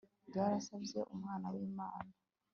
byarasabye Umwana wImana